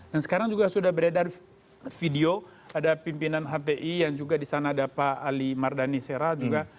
dan sekarang juga sudah beredar video ada pimpinan hti yang juga di sana ada pak ali mardhani sera juga